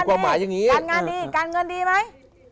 การเงินดี